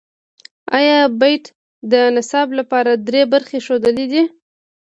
ای بیټ د نصاب لپاره درې برخې ښودلې دي.